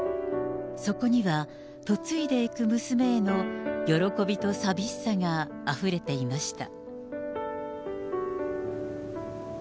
そこには、嫁いでいく娘への喜びと寂しさがあふれていました。